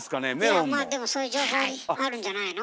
いやまあでもそういう情報あるんじゃないの？